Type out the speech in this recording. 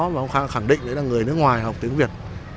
và ông khang khẳng định đấy là người nước ngoài học tiếng việt